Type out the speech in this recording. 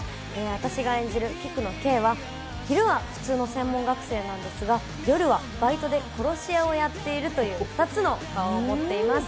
私が演じる菊野ケイは昼は普通の専門学生なのですが、夜はバイトで殺し屋をやっているという２つの顔を持っています。